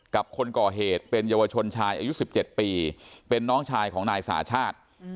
คนก่อเหตุเป็นเยาวชนชายอายุ๑๗ปีเป็นน้องชายของนายสาชาติ